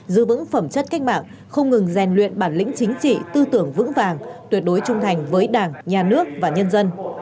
giữ vững phẩm chất cách mạng không ngừng rèn luyện bản lĩnh chính trị tư tưởng vững vàng tuyệt đối trung thành với đảng nhà nước và nhân dân